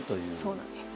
そうなんです。